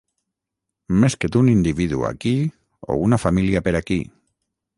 Més que d'un individu aquí o una família per aquí.